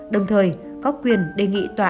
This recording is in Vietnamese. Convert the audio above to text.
đồng thời có quyền đề nghị tòa án